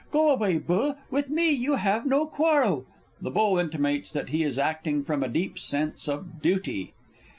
Go away, Bull with me you have no quarrel! [_The Bull intimates that he is acting from a deep sense of duty.